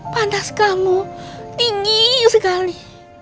panas kamu tinggi sekali